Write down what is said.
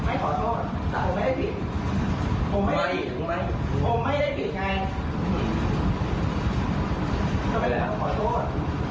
เออทำไมต้องผิดหรอ